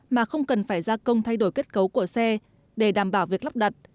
mà không cần phải gia công thay đổi kết cấu của xe để đảm bảo việc lắp đặt